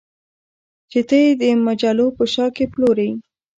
چې ته یې د مجلو په شا کې پلورې